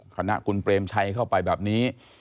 คณะคุณเปรมชัยเข้าไปแบบนี้